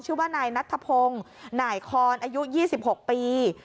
ชื่อว่านายนัทธพงศ์หน่ายคอนอายุ๒๖ปี